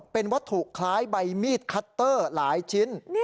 เป็นวัตถุคล้ายใบมีดคัตเตอร์หลายชิ้น